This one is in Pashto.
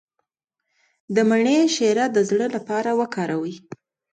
د مڼې شیره د زړه لپاره وکاروئ